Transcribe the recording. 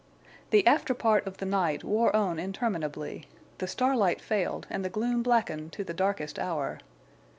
The after part of the night wore on interminably. The starlight failed and the gloom blackened to the darkest hour.